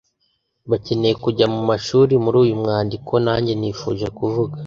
bakeneye kujya mu mashuri. Muri uyu mwandiko, nange nifuje kuvuga